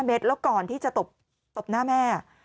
เมตรแล้วก่อนที่จะตบหน้าแม่